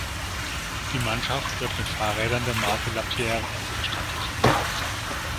Die Mannschaft wird mit Fahrrädern der Marke Lapierre ausgestattet.